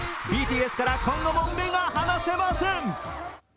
ＢＴＳから今後も目が離せません。